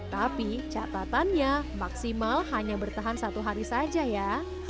tapi catatannya maksimal hanya bertahan satu hari saja ya